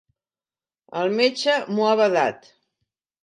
El metge m'ho ha vedat.